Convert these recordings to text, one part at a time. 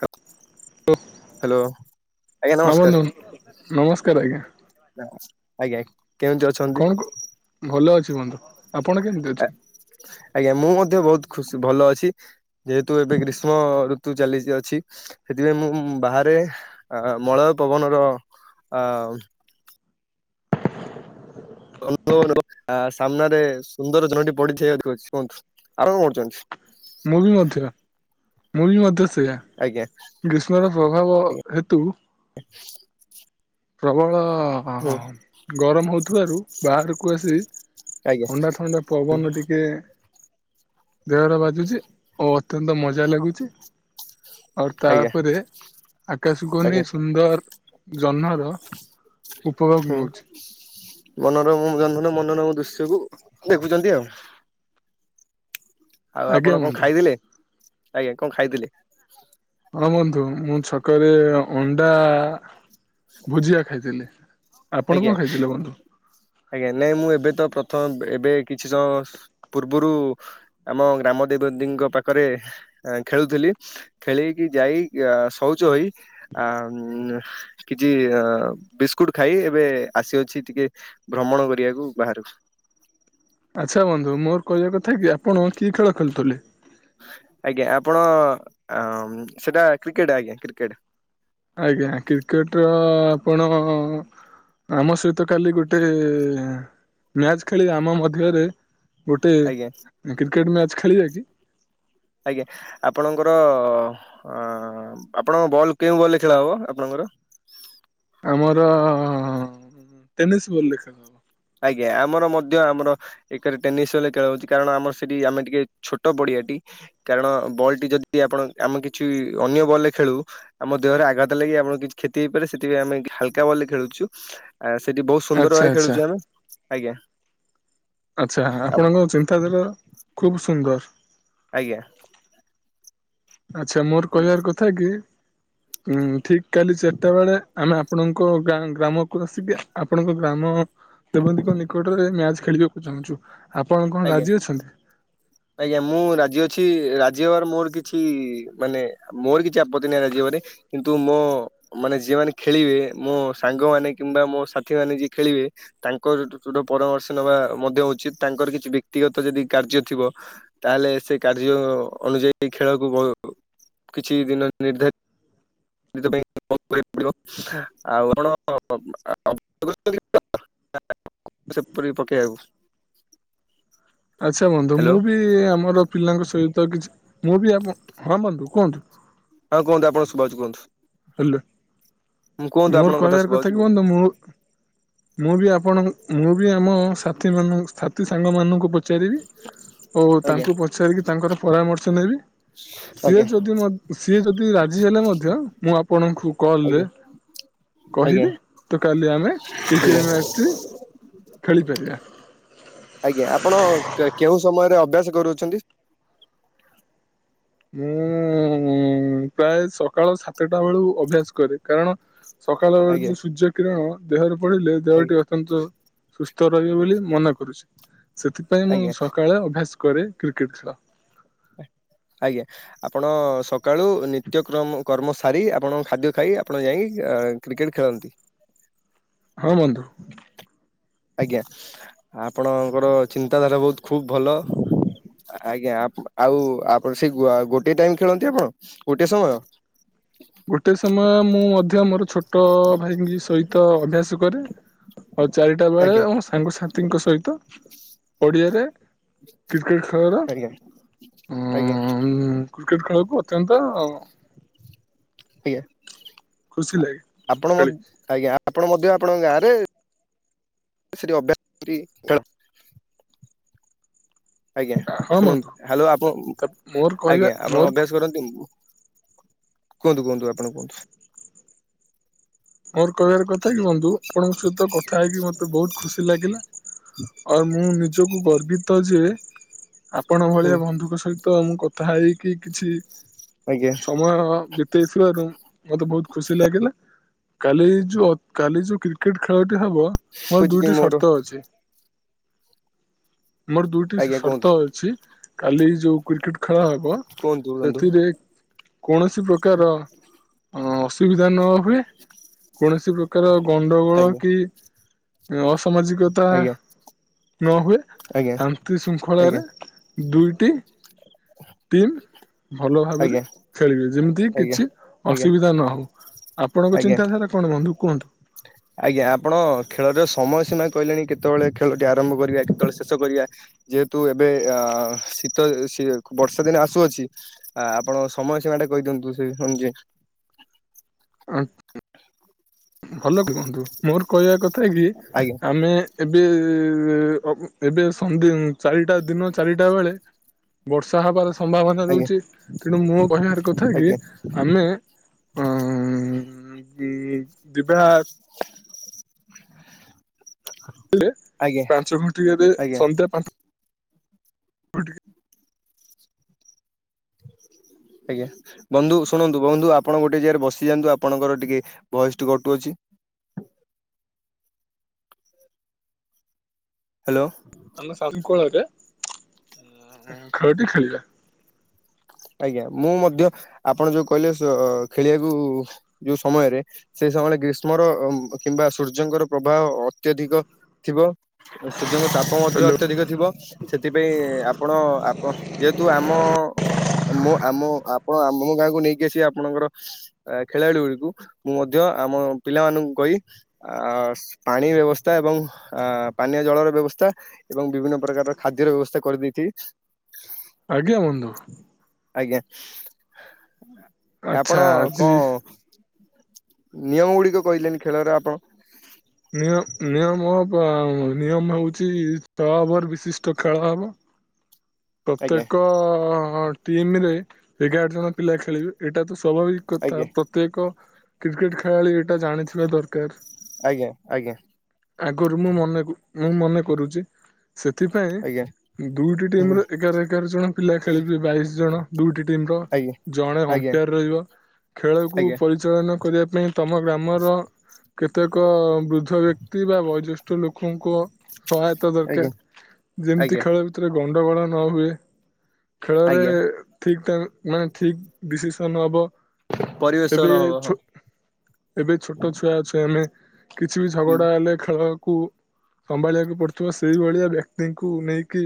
ରକ - - ହୋ ହଁ ନମସ୍କାର ବନ୍ଧୁ ନମସ୍କାର ଆଜ୍ଞା। ଆଜ୍ଞା, କେମିତି ଅ- - କଣ କୁ ଭଲ ଅଛି ବନ୍ଧୁ। ଆପଣ କେମିତି ଅଛନ୍ତି? ଆଜ୍ଞା, ମୁଁ ମଧ୍ୟ ବହୁତ ଖୁସି ଭଲ ଅଛି। ଯେହେତୁ ଏବେ ଗ୍ରୀଷ୍ମ ଋତୁ ଚାଲି ଚି ଅଛି। ସେଥିପାଇଁ ମୁଁ ବାହାରେ ମଳୟ ପବନର ଅ- - କୁହନ୍ତୁ ବନ୍ଧୁ, ଆ ସାମ୍ନାରେ ସୁନ୍ଦର ଝଡି ପଡିଥିବାର କହୁଚି। କୁହନ୍ତୁ ଆଉ କଣ କରୁଚନ୍ତି? ମୁଁ ବି ମଧ୍ୟ, ମୁଁ ବି ମଧ୍ୟ ସେଇୟା। ଆଜ୍ଞା। ଗ୍ରୀଷ୍ମର ପ୍ରଭାବ ହେତୁ - - ହଁ ପ୍ରବଳ ଗରମ ହଁ ହଁ ହଉଥିବାରୁ ବାହାରକୁ ଆସି- - ଆଜ୍ଞା ଥଣ୍ଡା ଥଣ୍ଡା ହୁଁ ପବନ ଟିକେ ଦେହର ବାଜୁଚି ଓଉ ଅତ୍ୟନ୍ତ ମଜା ଲାଗୁଚି। ଅର୍ ଆଜ୍ଞା ତାପରେ ଆକାଶକୁ ଆଜ୍ଞା ଅନେଇ ସୁନ୍ଦର ଜହ୍ନ ଉପଭୋଗ ହୁଁ ନଉଚି। ମନୋରମ ଜନ୍ମନ ମନୋରମ ଦୃଶ୍ୟକୁ ଦେଖୁଚନ୍ତି ଆଉ। ଆଉ ଆଜ୍ଞା ଆପଣ କଣ ବନ୍ଧୁ ଖାଇଥିଲେ? ଆଜ୍ଞା କଣ ଖାଇଥିଲେ? ହଁ ବନ୍ଧୁ ମୁଁ ଛକରେ ଅଣ୍ଡା- - ଭୁଜିଆ ଖାଇଥିଲି। ଆପଣ କଣ ଆଜ୍ଞା। ଖାଇଥିଲେ ବନ୍ଧୁ? ଆଜ୍ଞା, ନାଇଁ ମୁଁ ଏବେ ତ ପ୍ରଥମ ଏବେ କିଛି ସମୟ ପୂର୍ବରୁ ଆମ ଗ୍ରାମ ଦେବେ ଦେବୀଙ୍କ ପାଖରେ ଖେଳୁଥିଲି। ଖେଳକି ଯାଇ ଶୌଚ ହୋଇ ଆ କିଛି ଅ ବିସ୍କୁଟ ଖାଇ ଏବେ ଆସିଅଛି ଟିକେ ଭ୍ରମଣ କରିବାକୁ ବାହହାରକୁ। ଆଚ୍ଛା ବନ୍ଧୁ, ମୋର କହିବା କଥା କି, ଆପଣ କିଏ ଖେଳ ଖେଳୁଥିଲେ? ଆଜ୍ଞା, ଆପଣ ସେଟା କ୍ରିକେଟ ଆଜ୍ଞା କ୍ରିକେଟ। ଆଜ୍ଞା, କ୍ରିକେଟ ର ଆପଣ ଆମ ସହିତ କାଲି ଗୋଟେ ମ୍ୟାଚ ଖେଳିବେ ଆମ ମଧ୍ୟରେ। ଗୋଟେ ଆଜ୍ଞା କ୍ରିକେଟ ମ୍ୟାଚ ଖେଳିବା କି? ଆଜ୍ଞା, ଆପଣଙ୍କର ଅ ଆପଣଙ୍କ ବଲ୍ କେଉଁ ବଲରେ ଖେଳ ହବ ଆପଣଙ୍କର? ଆମର ଟେନିସ୍ ବଲ୍ ଖେଳ। ହବ। ଆଜ୍ଞା, ଆମର ମଧ୍ୟ ଆମର ଏକରେ ଟେନିସ୍ ବଲ୍ ଖେଳ ହଉଛି, କାରଣ ଆମର ସେଠି ଆମେ ଟିକେ ଛୋଟ ପଡିଆଟି। କାରଣ, ବଲ୍ ଟି ଯଦି ଆପଣ ଆମେ କିଛି ଅନ୍ୟ ବଲ୍ ରେ ଖେଳୁ। ଆମ ଦେହରେ ଆଘାତ ଲାଗି ଆପଣଙ୍କୁ କିଛି କ୍ଷତି ହେଇପାରେ। ସେଥିପାଇଁ ଆମେ ହାଲକା ବଲ୍ ରେ ଖେଳୁଛୁ। ଆ ସେଠି ବହୁତ ସୁନ୍ଦର ଆଚ୍ଛା ଭାବେ ଆଚ୍ଛା ଖେଳୁଛୁ ଆମେ, ଆଜ୍ଞା। ଆଚ୍ଛା, ଆପ ଆପଣଙ୍କ ଚିନ୍ତାଧାରା ଖୁବ ସୁନ୍ଦର। ଆଜ୍ଞା। ଆଚ୍ଛା, ମୋର କହିବାର କଥା କି ଉଁ, ଠିକ୍। କାଲି ଚାରିଟା ବେଳେ ଆମେ ଆପଣଙ୍କ ଗାଁ ଗ୍ରାମ କୌଣସି ଆପଣଙ୍କ ଗ୍ରାମ ଦେବନ୍ଦୀଙ୍କ ନିକଟରେ ମ୍ୟାଚ ଖେଳିବାକୁ ଚାହୁଁଛୁ। ଆପଣ କଣ ଆଜ୍ଞା। ରାଜି ଅଛନ୍ତି? ଆଜ୍ଞା, ମୁଁ ରାଜି ଅଛି। ରାଜି ହେବାର ମୋର କିଛି ମାନେ ମୋର କିଛି ଆପତ୍ତି ନାହିଁ ରାଜିହେବାରେ, କିନ୍ତୁ ମୋ ମାନେ, ଯିଏ ମାନେ ଖେଳିବେ, ମୋ ସାଙ୍ଗମାନେ କିମ୍ବା ମୋ ସାଥି ମାନେ ଯିଏ ଖେଳିବେ। ତାଙ୍କରଟ ପରାମର୍ଶ ନେବା ମଧ୍ୟ ଉଚିତ୍। ତାଙ୍କର କିଛି ବ୍ୟକ୍ତିଗତ ଯଦି କାର୍ଯ୍ୟ ଥିବ। ତାହେଲେ, ସେ କାର୍ଯ୍ୟ ଅନୁଯାୟୀ ଖେଳକୁ କିଛି ଦିନ ନିର୍ଦ୍ଧାରିତ- [inaudible] [inaudible] ପକେଇବାକୁ। ଆଚ୍ଛା ବନ୍ଧୁ, ମୁଁ ହ୍ୟାଲୋ ବି ଆମର ପିଲାଙ୍କ ସହିତ କିଛି ମୁଁ ବି, ଆପଣ ହଁ, ବନ୍ଧୁ କୁହନ୍ତୁ। ହଁ, କୁହୁନ୍ତୁ। [unintelligible] କୁହନ୍ତୁ। ହ୍ୟାଲୋ। କୁହନ୍ତୁ ମୋର ଆପଣଙ୍କ କହିବାର ଶୁଭାଉଛି କଥା କି, କୁହନ୍ତୁ ବନ୍ଧୁ ମୁଁ ମୁଁ ବି ଆପଣ ମୁଁ ବି ଆମ ସାଥିମାନଙ୍କୁ, ସାଥି ସାଙ୍ଗମାନଙ୍କୁ ପଚାରିବି। ଓ, ଆଜ୍ଞା ତାଙ୍କୁ ପଚାରିକି ତାଙ୍କର ପରାମର୍ଶ ନେବି। ସିଏ ଆଜ୍ଞା ଯଦି ସିଏ ଯଦି ରାଜି ହେଲେ, ମଧ୍ୟ ମୁଁ ଆପଣଙ୍କୁ କଲ୍ ରେ ଆଜ୍ଞା ଆଜ୍ଞା କହିବି ତ, କାଲି ଆମେ ଆଜ୍ଞା। କ୍ରିକେଟ ମ୍ୟାଚ ଖେଳିପାରିବା। ଆଜ୍ଞା, ଆପଣ କେଉଁ ସମୟରେ ଅଭ୍ୟାସ କରୁଛନ୍ତି? ମୁଁ ପ୍ରାୟ ସକାଳ ସାତଟା ବେଳୁ ଅଭ୍ୟାସ କରେ, କାରଣ ସକାଳ [unintelligible] ଆଜ୍ଞା ଯୋଉ ସୂର୍ଯ୍ୟ କିରଣ ଦେହରେ ପଡ଼ିଲେ, ଦେହଟି ଆଜ୍ଞା ଅତ୍ୟନ୍ତ ସୁସ୍ଥ ରହିବେ ବୋଲି ମନା କରୁଛି। ସେଥିପାଇଁ ମୁଁ ଆଜ୍ଞା ସକାଳେ ଅଭ୍ୟାସ କରେ କ୍ରିକେଟ ଖେଳ। ଆଜ୍ଞା। ଆପଣ ସକାଳୁ ନିତ୍ୟକ୍ରମ କର୍ମ ସାରି, ଆପଣ ଖାଦ୍ୟ ଖାଇ ଆପଣ ଯାଇ କ୍ରିକେଟ୍ ଖେଳନ୍ତି। ହଁ, ବନ୍ଧୁ। ଆଜ୍ଞା, ଆପଣଙ୍କର ଚିନ୍ତାଧାରା ବହୁତ ଖୁବ ଭଲ। ଆଜ୍ଞା, ଆଉ ଆପଣ ସେ ଗୋଟେ ଟାଇମ ଖେଳନ୍ତି ଆପଣ ଗୋଟେ ସମୟ। ଗୋଟେ ସମୟ ମୁଁ ମଧ୍ୟ ମୋର ଛୋଟ ଭାଇଙ୍କ ସହିତ ଅଭ୍ୟାସ କରେ। ଆଉ ଚାରିଟାବେଳେ ଆଜ୍ଞା ଆମ ସାଙ୍ଗସଥିଙ୍କ ସହିତ ପଡିଆରେ। କ୍ରିକେଟ ଖେଳର ଆଜ୍ଞା ଉୁଁ ଆଜ୍ଞା ଉୁଁ ଉୁଁ। କ୍ରିକେଟ ଖେଳକୁ ଅତ୍ୟନ୍ତ। ଆଜ୍ଞା ଖୁସି ଆ ଲାଗେ ଆପଣ ମ ଖେଳିକି ଆଜ୍ଞା। ଆପଣ ମଧ୍ୟ ଆପଣଙ୍କ ଗାଁରେ ସେଠି ଅଭ୍ୟାସ କରକି ଖେଳ। ଆଜ୍ଞା ହଁ ବନ୍ଧୁ। ଶୁଣନ୍ତୁ ହାଲୋ ଆପଣ ତା ମୋର କହିବା ଆଜ୍ଞା ଆପଣ ମୋର ଅଭ୍ୟାସ କରନ୍ତିନି। କୁହନ୍ତୁ କୁହନ୍ତୁ ଆପଣ କୁହନ୍ତୁ। ମୋର କହିବାର କଥାକି ବନ୍ଧୁ ଆପଣଙ୍କ ସହିତ କଥା ହେଇକି ମତେବହୁତ ଖୁସି ଲାଗିଲା ଆଉ ମୁଁ ନିଜକୁ ଗର୍ବିତଯେ ଆପଣ ଭଳିଆ ବନ୍ଧୁଙ୍କ ସହିତ ମୁଁ କଥାହେଇକି କିଛି ଆଜ୍ଞା ସମୟ ଅ ଅ ବି ଦେଇଥିବାରୁ ମତେବହୁତ ଖୁସିଲାଗିଲା। କାଲି ଯୋଉ କାଲି ଯୋଉ କ୍ରିକେଟ ଖେଳଟିହବ ମୋର ହଉଛି କି ଦୁଇଟି ମୋର ସର୍ତଅଛି। ମୋର ଦୁଇଟି ଆଜ୍ଞା କୁହନ୍ତୁ ସର୍ତଅଛି କାଲି ଯୋଉ କ୍ରିକେଟ ଖେଳହବ କୁହନ୍ତୁ ବନ୍ଧୁ ସେଥିରେ କୌଣସି ପ୍ରକାର ଅ ସୁବିଧା ନହୁଏ। କୌଣସି ପ୍ରକାର ଆଜ୍ଞା ଗଣ୍ଡଗୋଳକି ଅସମାଜିକ ତା ଆଜ୍ଞା ନହୁଏ ଆଜ୍ଞା ଶାନ୍ତି ଶୃଙ୍ଖଳାରେ ଆଜ୍ଞା ଦୁଇଟି ଟିମ ଭଲଭାବରେ ଆଜ୍ଞା ଖେଳିବେ ଯେମିତ ତି ଆଜ୍ଞା। କିଛି ଆଜ୍ଞା ଅସୁବିଧା ନହଉ ଆପଣଙ୍କ ଆଜ୍ଞା ଚିନ୍ତାଧାରା କଣ ବନ୍ଧୁ କୁହନ୍ତୁ? ଆଜ୍ଞା ଆପଣ ଖେଳର ସମୟ ସୀମା କହିଲେଣି କେତେବେଳେ ଖେଳଟି ଆରମ୍ଭ କରିବାକି। କେତେବେଳେ ଶେଷ କରିବା ଯେହେତୁ ଏବେ ଅ ଶୀତ ଶୀ ବର୍ଷା ଦିନ ଆସୁଅଛି। ଆ ଆପଣ ସମୟ ସୀମାଟା କହିଦିଅନ୍ତୁ ସେ ହଁ ଯେ। ଭଲ କୁହନ୍ତୁ ମୋର କହିବା କଥାକି ଆଜ୍ଞା ଆମେ ଏବେ ଏଁ ଏଁ ଏଁ ଅ ଉୁଁ ଏବେ ସନ୍ଧ୍ୟ ଚାରିଟା ଦିନ ଚାରିଟା ବେଳେ ବର୍ଷା ହବାର ସମ୍ଭାବନା ଆଜ୍ଞା ରହୁଛି ତେଣୁ ମୁଁ କହିବାର କଥାକି? ଆଜ୍ଞା ଆମେ [unintelligible] ଯିବା। [unintelligible] [unintelligible] ଆଜ୍ଞା ପାଞ୍ଚ ଘଟିିକାରେ ଆଜ୍ଞା ସନ୍ଧ୍ୟା। [unintelligible] ଟିକିଏ। ଆଜ୍ଞା ବନ୍ଧୁ ଶୁଣନ୍ତୁ ବନ୍ଧୁ ଆପଣ ଗୋଟିଏ ଜାଗାରେ ବସିଯାଆନ୍ତୁ ଆପଣଙ୍କର ଟିକିଏ ଭଏସ କଟୁଅଛି। ହାଲୋ। ଆମ ସାଇଁ କୋଳରେ ଖେଳଟି ଖେଳିବା। ଆଜ୍ଞା ମୁଁ ମଧ୍ୟ ଆପଣ ଯୋଉ କହିଲେ ସ ଖେଳିବାକୁ ଯୋଉ ସମୟରେ ସେଇ ସମୟରେ ଗ୍ରୀଷ୍ମର ଅ କିମ୍ବା ସୂର୍ଯ୍ୟଙ୍କର ପ୍ରବାହ ଅତ୍ୟଧିକ ଥିବ ସୂଯ୍ୟଙ୍କ ତାପ ମଧ୍ୟ ହ୍ୟାଲୋ ଅତ୍ୟଧିକ ଥିବ। ସେଥିପାଇଁ ଆପଣ ଆପଣ ଯେହେତୁ ଆମ ମୁଁ ଆମ ଆପଣ ଆମ ଗାଁକୁ ନେଇକି ଆସି ଆପଣଙ୍କର ଆ ଖେଳାଳି ଗୁଡିକୁ ମୁଁ ମଧ୍ୟ ଆମ ପିଲାମାନଙ୍କୁ କହି ଆସ ପାଣି ବ୍ୟବସ୍ଥା ଏବଂ ଆ ପାନୀୟ ଜଳର ବ୍ୟବସ୍ଥା ଏବଂ ବିଭିନ୍ନ ପ୍ରକାରର ଖାଦ୍ୟର ବ୍ୟବସ୍ଥା କରିଦେଇଛି। ଆଜ୍ଞା ବନ୍ଧୁ। ଆଜ୍ଞା ଆଚ୍ଛା ଆପଣ ଆଜି କଣ? ନିୟମ ଗୁଡିକ କହିଲେନି ଖେଳର ଆପଣ? ନିଅ ନିୟମ ବା ନିୟମ ହଉଛି ଛଅ ଓଭର ବିଶିଷ୍ଟ ଖେଳହବ। ଆଜ୍ଞା ପ୍ରତ୍ୟେକ ଟିମରେ ଏଗାର ଜଣ ପିଲା ଖେଳିବେ ଏଇଟା ତ ସ୍ୱଭାବିକ। କଥା ଆଜ୍ଞା ପ୍ରତ୍ୟେକ କ୍ରିକେଟ ଖେଳାଳି ଏଇଟା ଜାଣିଥିବା ଦରକାର। ଆଜ୍ଞା ଆଜ୍ଞା। ଆଗରୁ ମୁଁ ମନେ ମୁଁ ମନେ କରୁଛି ଆଜ୍ଞା ସେଥିପାଇଁ ଦୁଇଟି ହୁଁ ଟିମ୍ର ଏଗାର ଏଗାର ଜଣ ପିଲା ଖେଳିବେ ବାଇଶି ଜଣ। ଦୁଇଟି ଟିମ୍ର ଆଜ୍ଞା ଜଣେ ଆଜ୍ଞା ଅମ୍ପେୟାର ରହିବ ଖେଳକୁ ଆଜ୍ଞା ପରିଚାଳନା କରିବା ପାଇଁ ତମ ଗ୍ରାମର କେତେକ ବୃଦ୍ଧ ବ୍ୟକ୍ତି ବା ବୟୋଜ୍ୟେଷ୍ଠ ଲୋକଙ୍କ ସହାୟତା ଦରକାର ଆଜ୍ଞା ଯେମିତି ଆଜ୍ଞା ଖେଳ ଭିତରେ ଗଣ୍ଡଗୋଳ ନ ହୁଏ। ଖେଳରେ ଆଜ୍ଞା ଠିକ ଠାକ ମାନେ ଠିକ ଡିସିସନ ହବ। ପରିବେଶ ଏବେ ନହବ ଛୋ ହଁ ଏବେ ଛୋଟ ଛୁଆ ଅଛେ ଆମେ କିଛି ବି ହୁଁ ଝଗଡା ହେଲେ ଖେଳ କୁ ସମ୍ଭାଳିବାକୁ ପଡୁଥିବ ସେଇଭଳିଆ ବ୍ୟକ୍ତିଙ୍କୁ ନେଇକି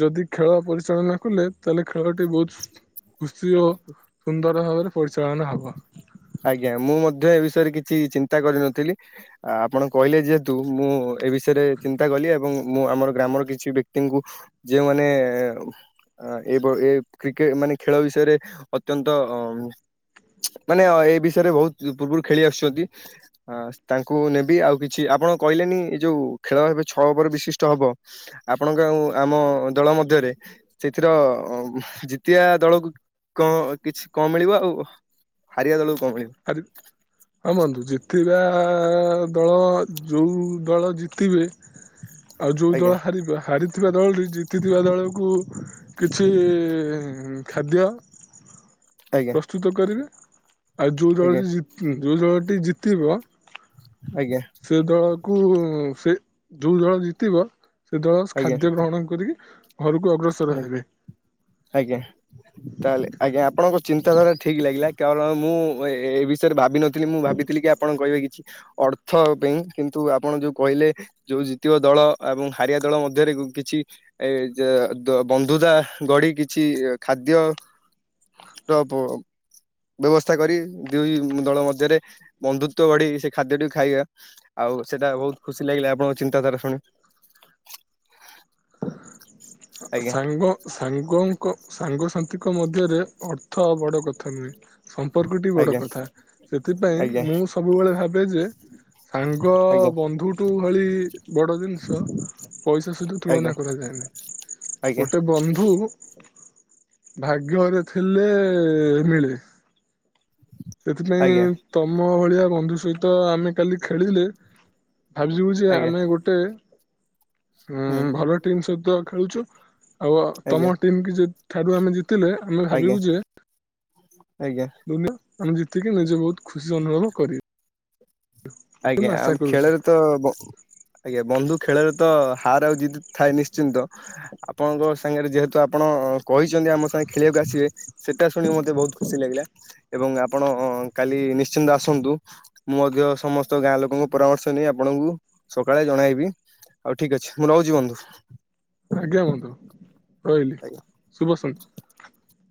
ଯଦି ଖେଳ ପରିଚାଳନା କଲେ ତାହେଲେ ଖେଳଟି ବହୁତ ଖୁସି ଓ ସୁନ୍ଦର ଭାବରେ ପରିଚଳନା ହବ। ଆଜ୍ଞା ମୁଁ ମଧ୍ୟ ଏ ବିଷୟରେ କିଛି ଚିନ୍ତା କରିନଥିଲି। ଆ ଆପଣ କହିଲେ ଯେହେତୁ ମୁଁ ଏ ବିଷୟରେ ଚିନ୍ତା କଲି ଏବଂ ମୁଁ ଆମର ଗ୍ରାମର କିଛି ବ୍ୟକ୍ତିଙ୍କୁ ଯେଉଁ ମାନେ ଏ ଉଃମ ଆ ଏବ ଏ କ୍ରିକେ ମାନେ ଖେଳ ବିଷୟରେ ଅତ୍ୟନ୍ତ ଅ ମା ମାନେ ଏ ବିଷୟରେ ବହୁତ ପୂର୍ବରୁ ଖେଳି ଆସୁଛନ୍ତି ତାଙ୍କୁ ନେବି ଆଉ କିଛି ଆପଣ କହିଲେନି ଏଇ ଯୋଉ ଖେଳ ଏବେ ଛଅ ଓଭର ବିଶିଷ୍ଟ ହବ। ଆପଣଙ୍କ ଆଉ ଆମ ଦଳ ମଧ୍ୟରେ ସେଥିର ଜିତିବା ଦଳକୁ କ କିଛି କଣ ମିଳିବ ଆଉ ହାରିବା ଦଳକୁ କଣ ମିଳିବ? [inaudible] ହଁ ବନ୍ଧୁ, ଜିତିବା ଦଳ ଯଉ ଦଳ ଜିତିବେ [inaudible] ଆଉ ଯୋଉ ଦଳ ହାରିବେ ହାରି ଥିବା ଦଳଟି ଜିତିଥିବା ଦଳକୁ କିଛି ଖାଦ୍ୟ ଆଜ୍ଞା ପ୍ରସ୍ତୁତ କରିବେ। ଆଉ ଯୋଉ ଆଜ୍ଞା ଦଳଟି ଜିତ ଯୋଉ ଦଳଟି ଜିତିବ ଆଜ୍ଞା। ସେ ଦଳକୁ ସେ ଯୋଉ ଦଳ ଜିତିବ ସେ ଦଳ ଆଜ୍ଞା ଖାଦ୍ୟ ଗ୍ରହଣ କରିକି ଘରକୁ ଅଗ୍ରସର ଆଜ୍ଞା ହେବେ। ଆଜ୍ଞା ତାହେଲେ ଆଜ୍ଞା, ଆପଣଙ୍କ ଚିନ୍ତାଧାରା ଠିକ୍ ଲାଗିଲା କାରଣ ମୁଁ ଏ ବିଷୟରେ ଭାବିନ ମୁଁ ଭାବିଥିଲି କି ଆପଣ କହିବେ କିଛି ଅର୍ଥ ପାଇଁ କିନ୍ତୁ ଆପଣ ଯୋଉ କହିଲେ ଯୋଉ ଜିତିବ ଦଳ ଏବଂ ହାରିଆ ଦଳ ମଧ୍ୟରେ କିଛି ଏ [unintelligible] ତ ବନ୍ଧୁତା ଗଢ଼ି ଢକିଛି ଖାଦ୍ୟ ର ପ ବ୍ୟବସ୍ଥା କରି ଦୁଇ ଦଳ ମଧ୍ୟରେ ବନ୍ଧୁତ୍ୱ ଗଢି ସେ ଖାଦ୍ୟଟିକୁ ଖାଇବା। ଆଉ ସେଟା ବହୁତ ଖୁସି ଲାଗିଲା ଆପଣଙ୍କ ଚିନ୍ତାଧାରା ଶୁଣି। ଆଜ୍ଞା ସାଙ୍ଗ ସାଙ୍ଗଙ୍କ ସାଙ୍ଗସାଥିଙ୍କ ମଧ୍ୟରେ ଅର୍ଥ ବଡ଼ କଥା ନୁହେଁ। ସମ୍ପର୍କଟି ବଡ ଆଜ୍ଞା କଥା ସେଥିପାଇଁ ଆଜ୍ଞା ମୁଁ ସବୁବେଳେ ଭାବେ ଯେ ସାଙ୍ଗ ଆଜ୍ଞା ବନ୍ଧୁଠୁ ଭଳି ବଡ ଜିନିଷ ପଇସା ସହିତ ଆଜ୍ଞା। ତୁଳନା କରାଯାଏନାହିଁ, ଆଜ୍ଞା ଗୋଟେ ବନ୍ଧୁ ଭାଗ୍ୟରେ ଥିଲେ ମିିଳେ। ଆଜ୍ଞା ସେଥିପାଇଁ ଆଜ୍ଞା ତମ ଭଳିଆ ବନ୍ଧୁ ସହିତ ଆମେ କାଲି ଖେଳିଲେ ଭାବିଯିବୁ ଯେ ଆମେ ଗୋଟେ ଉ ହୁଁ ଭଲ ଟିମ୍ ସହିତ ଖେଳୁଛୁ ଆଉ ଆଜ୍ଞା ତମ ଟିମ୍ କି ଠାରୁ ଆମେ ଜିତିଲେ ଆମେ ଆଜ୍ଞା ଭାବିବୁ ଯେ ଆଜ୍ଞା। ଆମେ ଜିତିକି ନିଜେ ବହୁତ ଖୁସି ଅନୁଭବ କରିବୁ। ଆଜ୍ଞା, ଆମ କରୁଛି ଖେଳରେ ତ ବ ଆଜ୍ଞା, ବନ୍ଧୁ ଖେଳରେ ତ ହାର୍ ଆଉ ଜିଦି ଥାଏ ନିଶ୍ଚିନ୍ତ। ଆପଣଙ୍କ ସାଙ୍ଗରେ ଯେହେତୁ ଆପଣ କହିଛନ୍ତି ଆମ ସାଙ୍ଗେ ଖେଳିବାକୁ ଆସିବେ ସେଟା ଶୁଣିି ମତେ ବହୁତ ଖୁସି ଲାଗିଲା। ଏବଂ ଆପଣ କାଲି ନିଶ୍ଚିନ୍ତ ଆସନ୍ତୁ। ମୁଁ ମଧ୍ୟ ସମସ୍ତ ତ ଗାଁ ଲୋକଙ୍କ ପରାମର୍ଶ ନେଇ ଆପଣଙ୍କୁ ସକାଳେ ଜଣାଇବି। ଆଉ ଠିକ୍ ଅଛି ମୁଁ ରହୁଛି ବନ୍ଧୁ। ଆଜ୍ଞା ବନ୍ଧୁ ରହିଲି ଶୁଭ ସନ୍ଧ୍ୟା।